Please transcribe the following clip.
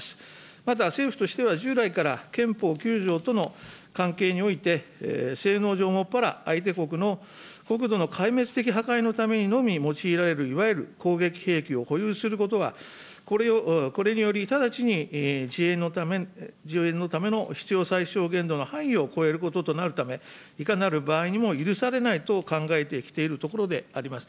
また、政府としては従来から憲法９条との関係において、性能上、専ら、相手国の国土の壊滅的破壊のためにのみ用いられる、いわゆる攻撃兵器を保有することは、これにより直ちに自衛のための必要最小限度の範囲を超えることとなるため、いかなる場合にも許されないと考えてきているところであります。